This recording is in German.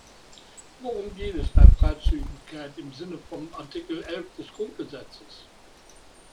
Worum geht es bei Freizügigkeit im Sinne von Artikel elf des Grundgesetzes?